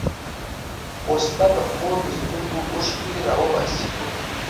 وسله د خور د سترګو اوښکې راوباسي